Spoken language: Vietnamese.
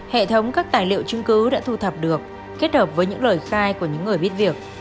hệ thống các tài liệu chứng cứ đã thu thập được kết hợp với những lời khai của những người biết việc